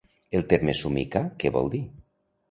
El terme somicar què vol dir?